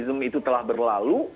alam itu telah berlalu